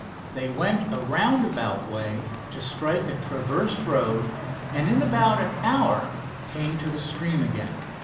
They went a roundabout way to strike a traversed road, and in about an hour came to the stream again.